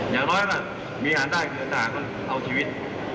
อย่างน้อยล่ะมีอาหารได้คืออาหารมันเอาชีวิต